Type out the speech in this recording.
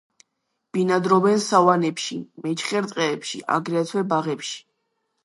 ბინადრობენ სავანებში, მეჩხერ ტყეებში, აგრეთვე ბაღებში.